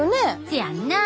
せやんな。